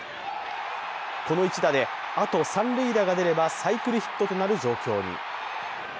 この一打で、あと三塁打が出ればサイクルヒットとなる状況に。